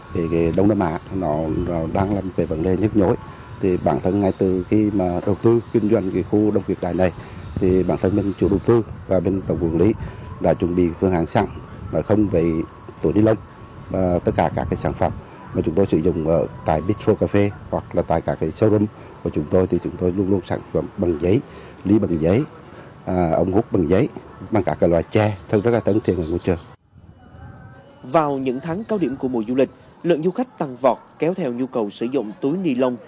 vào những tháng cao điểm của mùa du lịch lượng du khách tăng vọt kéo theo nhu cầu sử dụng túi ni lông